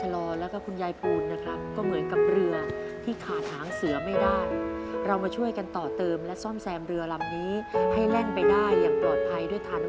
แล้วก็พวกเราทุกคนรักตากับยาย